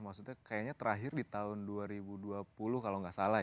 maksudnya kayaknya terakhir di tahun dua ribu dua puluh kalau nggak salah ya